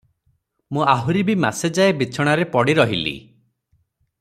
ମୁଁ ଆହୁରି ବି ମାସେଯାଏ ବିଛଣାରେ ପଡ଼ି ରହିଲି ।